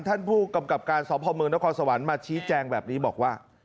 ท่านผู้กำกับการสพเมืองนครสวรรค์มาชี้แจงแบบนี้บอกว่า